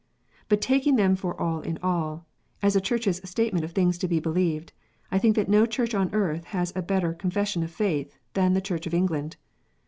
But taking them for all in all, as a Church s statement of things to be believed, I think that no Church on earth has a better " Confession of faith " than the Church of England.